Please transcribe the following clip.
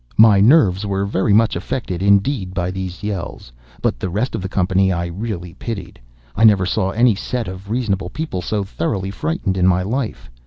My nerves were very much affected, indeed, by these yells; but the rest of the company I really pitied. I never saw any set of reasonable people so thoroughly frightened in my life.